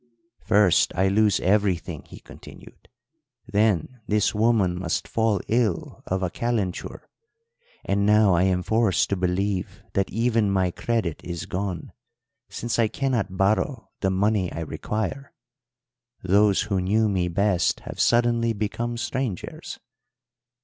"'First I lose everything,' he continued, 'then this woman must fall ill of a calenture; and now I am forced to believe that even my credit is gone, since I cannot borrow the money I require. Those who knew me best have suddenly become strangers.'